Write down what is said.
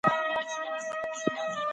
چي مورنۍ ژبه ژوندۍ وي، ملي تاریخ نه هېرېږي.